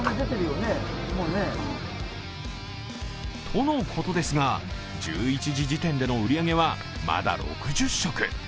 とのことですが、１１時時点での売上はまだ６０食。